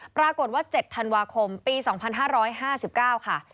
ปรากฏว่า๗ธันวาคมปี๒๕๕๙ค่ะ